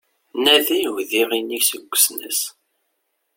Nadi udiɣ inig seg usnas